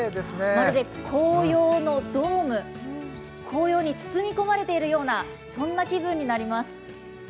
まるで紅葉のドーム、紅葉に包み込まれているような、そんな気分になります。